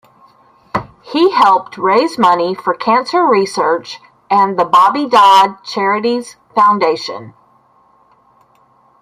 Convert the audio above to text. He helped raise money for cancer research and the Bobby Dodd Charities Foundation.